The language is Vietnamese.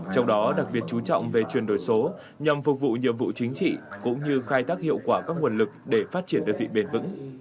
trong đó đặc biệt chú trọng về chuyển đổi số nhằm phục vụ nhiệm vụ chính trị cũng như khai thác hiệu quả các nguồn lực để phát triển đơn vị bền vững